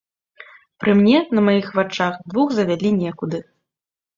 Пры мне, на маіх вачах двух завялі некуды.